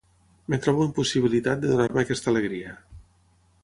Em trobe impossibilitat de donar-me aquesta alegria.